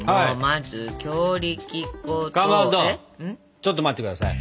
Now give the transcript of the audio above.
ちょっと待って下さい。